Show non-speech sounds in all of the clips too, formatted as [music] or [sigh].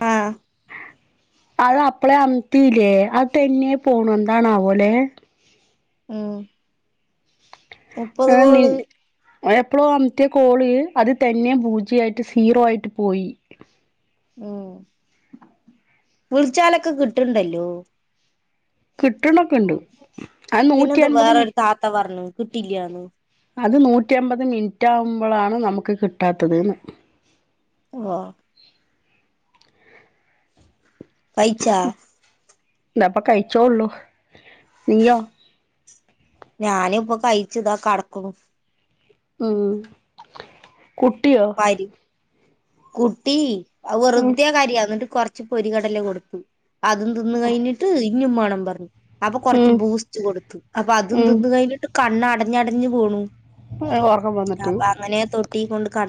ആ അത് അപ്പളെ അംത്തില്ലേ അത് തെന്നെ പോണ എന്താണാവോലെ ഉം മുപ്പത് കോള് എപ്പോളോ അംത്തെ കോള് അത് തന്നെയ പൂജിയായിട്ട് സീറോ ആയിട്ട് പോയി ഉം വിളിച്ചാലൊക്കെ കിട്ടുണ്ടല്ലോ കിട്ടണൊക്കെ ഇണ്ട് അത് നൂറ്റി അൻപത് മി കിട്ടില്ലാന്ന് അത് നൂറ്റി അമ്പത് മിൻറ്റ് ആകുമ്പളാണ് നമുക്ക് കിട്ടാത്തത് ന്ന് ഓ പൈച്ചാ ല്ല ഇപ്പ കഴിച്ചോള്ളൂ നീയോ ഞാന് ഇപ്പൊ കഴിച്ച്താ കടക്കുണു ഉം കുട്ടിയോ പരി കുട്ടി ഉം വെറുെതെ കാര്യ എന്നിട്ട് കൊർ ച്ച് പൊരി കടല കൊടുത്തു അതും തിന്ന് കഴിഞ്ഞിട്ട് ഇഞ്ഞു മാണം പറഞ്ഞു അപ്പൊ കൊറച്ച് ഉം ബൂസ്റ്റ് കൊടുത്തു അപ്പൊ അതും ഉം തിന്ന് കഴിഞ്ഞിട്ട് കണ്ണടഞ്ഞ് അട ഞ്ഞ് പോണു ഒ ഓർക്കം വന്നിട്ട് ട്ടീ കൊണ്ട് കട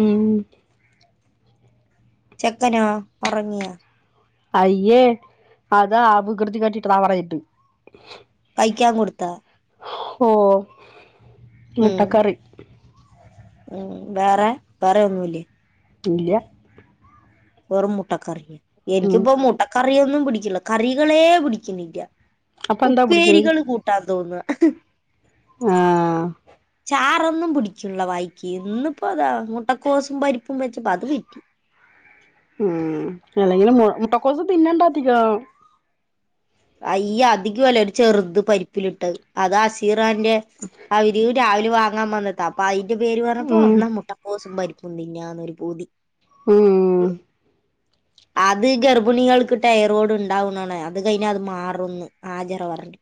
ഉം ചെക്കനോ ഉറങ്ങിയാ അയ്യേ അതാ അ വികൃതി കാട്ടിട്ട് താ അവടെ [unintelligible] കഴിക്കാൻ കൊടുത്ത ഓ ഉം മുട്ടക്കറി ഉം വേറെ വേറെ ഒന്നുല്ലേ ഇല്ല വെറും മുട്ടക്കറി ഉം എനിക്കിപ്പോ മുട്ടക്കറിയൊന്നും പിടിക്കുള്ള കറികളെ പിടിക്കുന്നില്ല അപ്പൊ എന്താ ഉപ്പേരികള് കൂട്ടാൻ തോന്നുക [unintelligible] ആഹ ചറൊന്നും പിടിക്കുള്ള വായിക്ക് ഇന്നിപ്പോ അതാ മുട്ട കോസും പരിപ്പും വെ ച്ച് പ്പതൊരുക്കി ഉം അല്ലെങ്കിലും മു മുട്ടക്കോസ് തിന്നണ്ട അധികം അയ്യ അധികം അല്ല ഒരു ചെറുത് പരിപ്പിലിട്ടത് അത് അശീ കാന്റെ അവര് രാവിലെ വങ്ങ മാമ വന്നിട്ട പയി പ്പ്ന്റെ പേര് പറഞ്ഞപ്പോ ഉം അന്നാ മുട്ടക്കോസും പരി തിന്നന്നൊരു പൂതി ഉം അത് ഗർഭിണികൾക്ക് ടയറോഡ് ഉണ്ടാവുന്ന അത് കയി ഞാ അത് മാറന്ന് ആജിറ പറഞ്ഞ്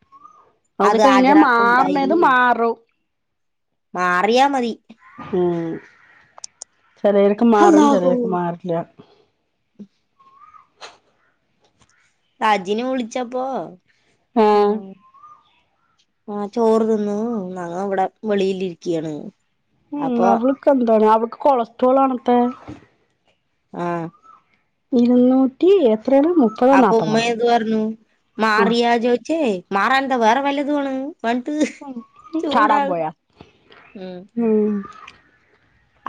അത് കയിഞ്ഞ മാറണത് മാറും മാറിയാ മതി ഉം ചെറിയൊക്ക്മാറും അല്ലാഹു ചെറിയൊക്ക് മാറില്ല രാജിനെ വിളിച്ചപ്പോ ഉം ആഹ ചോറ് നിന്നു ഞങ്ങ ഇവിടെ വെളിരിക്കുകയാണ് ഉം അവളക്ക് എന്തെന്ന് അവ് ക്ക് കൊളസ്ട്രോൾ ആണ് ഇത്തെ ആഹ ഇരുന്നൂറ്റി എത്രയാണ് മുപ്പതോ അപ്പൊ നാപ്പതോ ഉമ്മ എന്ത് പറഞ്ഞു ആഹ് മാറിയാ ചോദ ച്ചേ മാറാൻ എന്താ വേറെ വല്ലതു ആണ് പറഞ്ഞിട്ട് [unintelligible] ചാടാൻ പോയ ചൂടാകണ് ഉം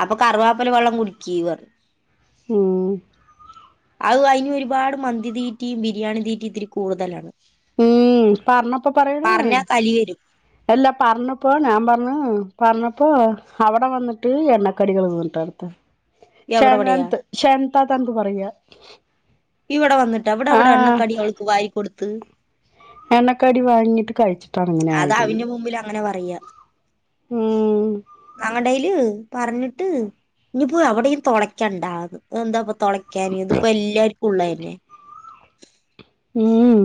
അപ്പൊ കറുവാപ്പല വെള്ളം കുടിക്കീ പറഞ്ഞു ഉം അത് അയിന് ഒരുപാട് മന്തി തീറ്റിയും ബിരിയാണി തീറ്റി ഇത്തിരി കൂടുതലാണ് ഉം പറഞ്ഞപ്പ പറയണ് പറഞ്ഞാ കലി വരും എല്ലാ പറഞ്ഞപ്പ ഞാൻ പറഞ്ഞു പറഞ്ഞപ്പോ അവിടെ വന്നട്ട് എണ്ണകടികള് തന്നിട്ടാടുത്ത എവിടെവിടെയാ ശാന്ത് ശാന്ത ത എന്ത് പറയാ ഇവിടെ വ ന്നിട്ടോ ആ ഇവിടെവിടെ എണ്ണക്കടി അവക്ക് വായി കൊടുത്ത് ത്ത് എണ്ണക്കടി വാങ്ങിട്ട് കഴിച്ചിട്ടാണ് അങ്ങനെ ആയതെന്നു അയ്യ ഞങ്ങടയില് പറഞ്ഞിട്ട് ഇനി പോയി അവിടെയും തുളയ്ക്കണ്ടാ അത് എന്താ തുടയ്ക്കാന് ഇതിപ്പോ എല്ലാരു പുള്ളേനെ ഉം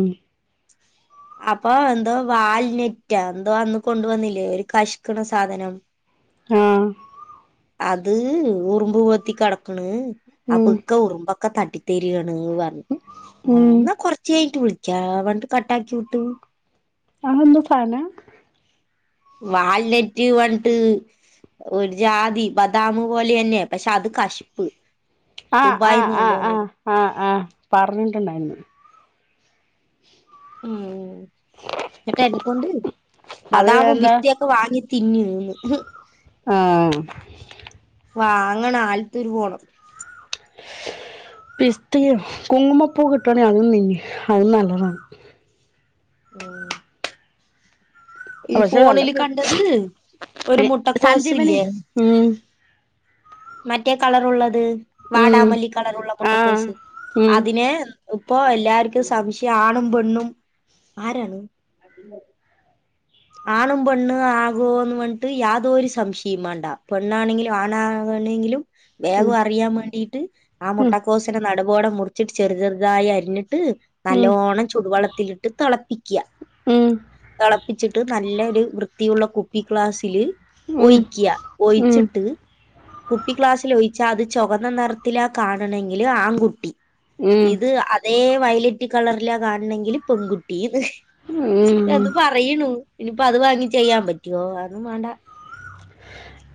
അപ്പൊ എന്തോ വാൽനെറ്റാ എന്തോ അന്ന് കൊണ്ടവന്നില്ലേ ഒരു കഷ്ക്കണ സാധനം ആ അത് ഉറുമ്പ് പോത്തി കിടക്കണ് ഉം അപ്പൊ ഇക്ക ഉറുമ്പ് ഒക്കെ തട്ടിത്തരിയാണ് പറഞ്ഞു ഉം എന്നാ കൊറച്ചായിട്ട് വിളി ക്കാ വൺട്ട് കട്ടാക്കി ട്ടും അഹന്തു സാന്ന വാൽനെറ്റ് വട്ട് ഒരു ജാതി ബദാമു പോലെ അല്ലെ ആഹ് ആഹ് ദുബായിന്ന് ആഹ് കൊണ്ടുവന്നത് ആഹ് ആഹ് ആഹ് പറഞ്ഞിട്ടുണ്ടായിരുന്നു ഉം കേട്ടാ എന്നെക്കൊണ്ട് അത് ബദാമും എന്താ ബിസ്തയൊക്കെ വാങ്ങി തിന്ന് ആ വാ അങ്ങണ ആലത്തൂര് പോണം പിസ്ത കുങ്കുമപ്പൂ കിട്ടവാണങ്ക അങ്ങുന്നേണ്യ അതും നല്ലതാണ് ഉം ഈ അവഷല്ല ഫോണില് കണ്ടത് ഒരു സാജി മുട്ടക്കോസ് മന ഇല്ലേ ഉം മറ്റേ കളർ ഉള്ളത് ഉം വാടാമലല്ലി കളറുള്ള ആഹ് മുട്ടക്കോസ് ഉം അതിനെ ഇപ്പൊ എല്ലാർക്കും സംശയം ആണും പെണ്ണും ആരാണ് ആണും പെണ് ആകുവോ എന്ന് വ പറഞ്ഞിട്ട് യാതൊരു സംശയം വേണ്ട പെണ്ണാണെങ്കിലും ആണാകണെങ്കിലും ഉം വേഗം അറിയാൻ വേണ്ടിട്ട് ആ ഉം മുട്ടക്കോശിനെ നടു ടെ മുറിച്ചട്ട് ചെറു ചെറുതായി അരിഞ്ഞി ട്ട് ഉം നല്ലോണം ചൂടുവെള്ളത്തിലിട്ട് തിളപ്പ ക്യ ഉം [unintelligible] ച്ചിട്ട് നല്ലൊരു വൃത്തിയുള്ള കുപ്പിക്ലാസ്സില് ഉം ഒഴിക്ക്യ ഉം ഒയിച്ചിട്ട് കുട്ടി ക്ലാസ്ൽ ഒഴിച്ചാ അത് ചുവന്ന നിറത്തിലാ കാണണങ്കില് ആൺകുട്ടി ഉം ഇത് അതേ വയലറ്റ് കളറിലാ കാണണങ്കിൽ പെൺകുട്ടീ ന്ന് ഊം ണു ഇനിയിപ്പ അത് വാങ്ങി ചെയ്യാൻ പറ്റോ അ ഒന്നും വാണ്ട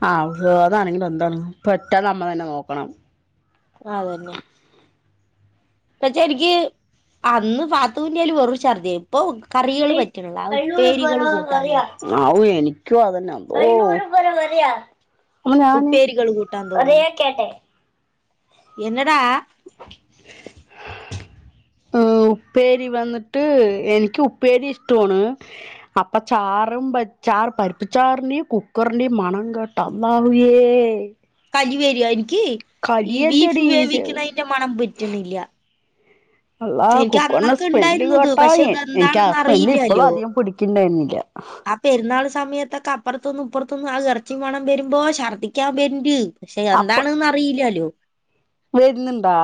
ആ അ അതാണെങ്കിലും എന്താണ് പെറ്റാ നമ്മളന്നെ നോക്കണം ആതന്നെ പക്ഷെ എനിക്ക് അന്ന് പാത്തൂൻ്റെല് വെറും ഛർദ്ദി കൂട്ടാൻ തോന്നും അവൂ എനി ക്കു അതന്നെ അള്ളോ അപ്പൊ ഞാന് ഉപ്പേരികള് എന്നതാ ഏ ഉപ്പേരി വന്നിട്ട് എനിക്ക് ഉപ്പേരി ഇഷ്ടമാണ് അപ്പ ചാറും ചാർ പരിപ്പ് ചാറിൻന്റെയും കുക്കറിൻന്റെയും മണം കേട്ട അള്ളാഹുവേ [unintelligible] തീ ഈ ബീഫ് കരിയല്ലടി ഈസ് വേവിക്കണയിന്റെ മണം പറ്റണില്ല അള്ളാ എനിക്ക് കുക്കറിണ അന്നൊക്കെ സ്മെല്ല് ഉണ്ടായിരുന്നത് കേട്ടാ പക്ഷെ എനിക്ക് ആ ഇതെന്താണെന്ന് സ്മെല്ല് ഇപ്പളും അറിയില്ലല്ലോ അധികം പിടിക്കണ്ടായിരിന്നില്ല ആ പെരുന്നാൾ സമയത്തൊക്കെ അപ്പുറത്തൂന്നും ഇപ്പർത്തുന്നും ആ ഇറച്ചി മണം വരുമ്പോ ശർദ്ദിക്കാൻ വെര്ണ്ട് പക്ഷെ എന്താണ് ന്ന് അറിയില്ലല്ലോ വര്ന്നുണ്ടാ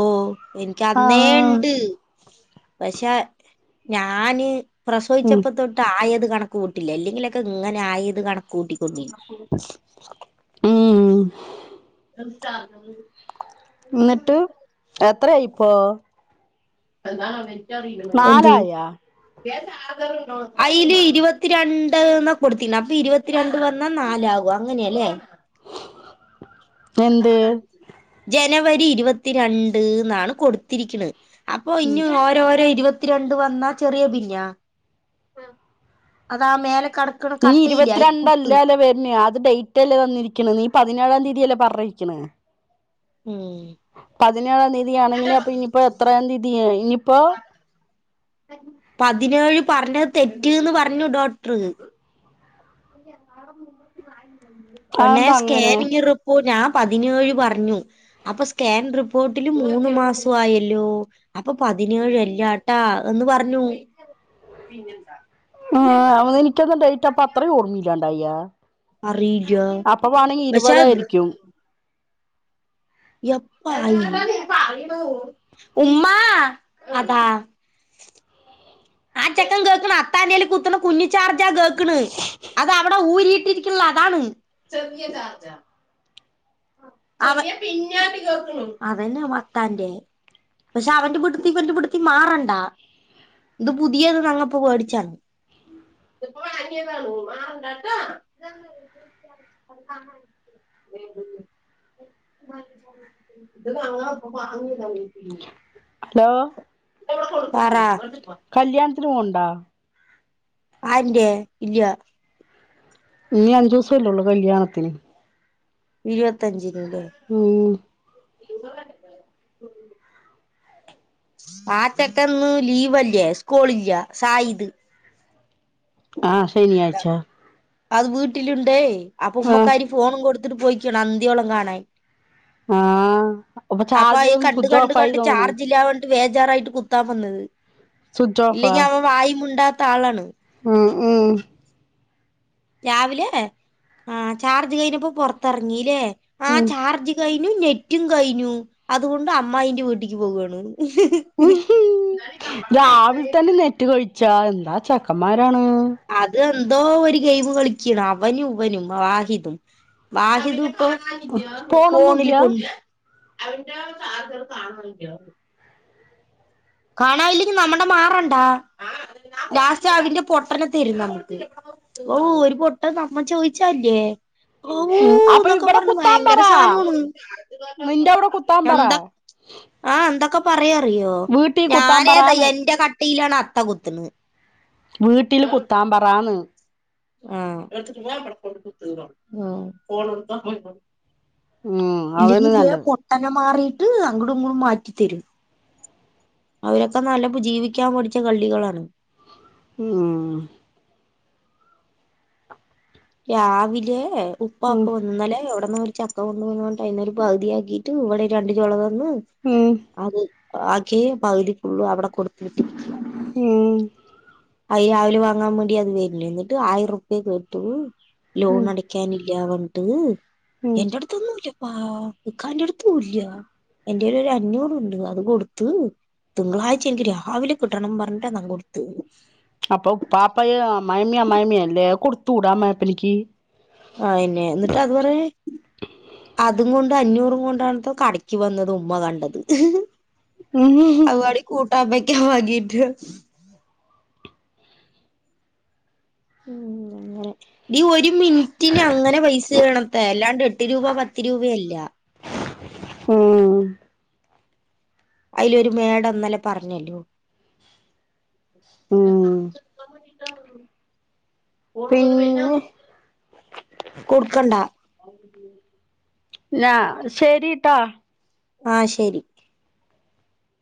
ഓഹ് എനിക്ക് അന്നേ ആഹ് ഇണ്ട് പക്ഷെ ഞാന് ഉം പ്രസവദിച്ചപ്പ തൊട്ട് ആയത് കണക്ക് കൂട്ടില്ല അല്ലെങ്കിലൊക്കെ ഇങ്ങനെ ആയത് കണക്ക് കൂട്ടി ഉം അ ച [unintelligible] എന്നിട്ട് എത്രയായി ഇപ്പോ [unintelligible] എന്ത് നാലായാ അയിലി ഇരുപത്തിരണ്ട് എന്നാ കൊടുത്തിന്നെ അപ്പൊ ഇരുപത്തിരണ്ട് വന്നാൽ നാലാകും അങ്ങനെയല്ലേ എന്ത് ജനവ രി ഇരുപത്തിരണ്ട് ന്നാണ് കൊടുത്തിരിക്ണ് അപ്പൊ ഇനി ഓരോരോ ഇരുപ ഇരുപത്തിരണ്ട് വന്നാ ചെറിയ [unintelligible] അതാ മേലേ ഈ ഇരുപത്തിരണ്ടല്ലല്ലോ വര്നെ ത് ഡേറ്റ് അല്ലേ തന്നിരിക്കണ് നീ പതിനേഴാം തീയതിയല്ലേ പറഞ്ഞിരിക്കണ് ഉം പതിനേഴാം തീയതിയാണെങ്കിനി അപ്പൊ ഇനിയിപ്പോ എത്ര തീയതി ഇനിയിപ്പോ പതിനേഴ് പറഞ്ഞത് തെറ്റീന്ന് പറഞ്ഞു ഡോക്ടർ അല്ല ആ [unintelligible] പെണ്ണേ അതെന്താ അങ്ങനെ സ്കാനിങ്ങ് റിപ്പോ ഞാ പതിനേഴ് പറഞ്ഞു അപ്പൊ സ്കാൻ റിപ്പോർട്ടില് മൂന്ന് മാസായല്ലോ അപ്പൊ പതിനേഴ് അല്ലാട്ടാ എന്ന് പറഞ്ഞു ആ അവനിക്കെന്താ ഡേ ൻക്ക്പ്പത്ര ഓർമില്ല വയ്യ അറിയില്ല അപ്പൊ വാണെങ്കി ഇരുപതായിരിക്കും എപ്പായി ഉമ്മ അതാ ആ ചെക്കൻ കേൾക്കണ് അത്താന്റെല് കുത്തണ കുഞ്ഞി ചാർജാ കേക്ക്ണ് അത് അവിടെ ഊരിയിട്ടിരിക്ക്ള്ളെ അതാണ് അതെന്നെ അത്താന്റെ പക്ഷെ അവന്റെ വീട്ട്ത്തതും ഇവന്റെ വീട്ട്ത്തതും മാറണ്ട ഇത് പുതിയത് ഞങ്ങ ഇപ്പൊ വേടിച്ചാണ് [unintelligible] ഹലോ പറ കല്യാണത്തിന് പോക്ണ്ടോ ആ [inaudible] ആര്ന്റെ ഇല്ല ഇനി അഞ്ചു ദിവസം അല്ലേള്ളൂ കല്യാണത്തിന് ഇരുപത്തഞ്ചി ഉം [unintelligible] ആറ്റക്ക്ന്ന് ലീവല്ലേ സ്കൂളില്ല സായിത് ആ ശനിയാഴ്ച അത് വീട്ട്ല്ണ്ടേ അപ ആഹ് ഉമ്മക്കാരി ഫോണും കൊട് ന്ന്ട്ട് പോയിക്കേണം അന്ത്യോണം കാണാൻ ആ അപൊ ചാർജ്ന്നു സ്വിച്ചോഫായി തോന്ന്ണു വേജാറായിട്ട് കുത്താവന്നത് സ്വിച്ച് ഓഫാ ഇല്ലെങ്കി അവം വായ്മുണ്ടാത്ത ആളാണ് ഉം ഉം രാവിലെ എ ആഹ് ചാർജ് കഴിഞ്ഞപൊ പൊറത്തെറങ്ങീലേ ആ ഉം ചാർജ് കയി നു നെറ്റും കയിഞ്ഞു അതോണ്ട് അമ്മായിന്റെ വീട്ടിക്ക് പോവാണ് [unintelligible] രാവിൾ തന്നെ നെറ്റ് കഴി ചാ എന്താ ചക്കമ്മാ അത് എന്തോ ഒരു ഗെയിമ് കളിക്കാണ് അവനും ഇവനും വാഹിദും വാഹിദ് ഇപ്പൊ ഫോണില് ഫോണൊന്നുല്ല കൊൺ അവന്റെ ചാർജറ് കാണുന്നില്ല കാണാ ഇല്ലെങ്കി നമ്മ്ടെ മാറണ്ടാ ലാസ്റ്റ് അതിന്റെ പൊട്ടനെ തരും നമ്മുക് ഔ ഒരു പൊട്ട നമ്മൾ ചോയിച്ചാല്ലേ ഔ ഊ ഉം അപ്പൊ ന്നൊക്കെ ഇവിടെ പറഞ്ഞ് കുത്താൻ ഭയങ്കര പറ സാനാണ് നിന്റെ അവിടെ കുത്താൻ പറ എന്ത. ആഹ് എന്തൊക്കെ പറയാ അറിയോ വീട്ടി കുത്താൻ ഞാനേത പറാന്ന് എന്റെ ക ട്ടീലാണ് അത്ത കുത്ത്ണെ വീട്ടില് കുത്താപറാന്ന് ആഹ് ആഹ് ഉം അതന്നെ ഇല്ലെങ്കിലേ നല്ലത് പൊട്ടനെ മാറി ത് അങ്ങ്ടും ഇങ്ങ്ടും മാറ്റിത്തരും. അതിനെക്കാൾ നല്ല ജീവിക്കാൻ പടിച്ച കള്ളികളാണ് ഉം രാവിലേ ഉം ഉപ്പാപൊ വന്ന് ഇന്നലേ എവിടന്നോര് ചക്ക കൊണ്ട് വന്നു എന്നിട്ട് അയിന്നൊരു പവ്തി ആക്കീട്ട് ഇവടൊരു രണ്ട് ചൊള ത ഉം ഉം ആര് ആകെ പവ്തിക്കുള്ളു അവടെ കൊടുത്തു വിട്ടി ഉം അയ് രാവിലെ വാങ്ങാൻ വേണ്ടി അത് വര്ണ് ഇന്നിട്ട് ആയിരം ഉറുപി കെതൂ ലോൺ അടയ്ക്കാനി ഇല്ലാ പറഞ്ഞിട്ട് ഉം എന്റെ അടുത്ത്ന്നൂല്ല ആ ഇ ക്കാന്റെ അടുത്തുല്ല്യ എന്റെ കയ്യിൽ ഒരു അഞ്ഞൂറ് ഉണ്ട് അത് കൊടുത്ത് തിങ്കളാഴ്ച എനിക്ക് രാവിലെ കിട്ടണം പറഞ്ഞിട്ടാ ഞാൻ കൊടുത്തത് അപ്പൊ ഉപ്പാപ്പയ് അമ്മായിമ്മയും അമ്മായിമ്മയും അല്ലേ കൊടുത്തൂടാ അമായിപ്പനിക്ക് ആ ന്നെ എന്നിട്ട് അത്പറ അതും കൊണ്ട് അഞ്ഞൂറും കൊണ്ടാണ്ത്രെ കടക്ക് വന്നത് ഉമ്മ കണ്ടത് [unintelligible] ആ ബക്ക വാങ്ങിട്ട് ഉം അങ്ങനെ ടി ഒരു മിനിറ്റിന് അങ്ങനെ പൈസ വീണത്ത അല്ലാണ്ട് എട്ട് രൂപ പത്ത് രൂപയല്ല ഉം അയിലൊരു മാഡം ഇന്നലെ പറഞ്ഞല്ലോ. ഉം ആ പിന്നെ കൊടുക്കണ്ട ന്നാ ശരിട്ടാ ആഹ് ശരി